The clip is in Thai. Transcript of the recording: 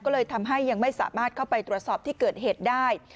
ก็เลยทำให้ยังไม่สามารถเข้าไปตรวจสอบที่เกิดเหตุได้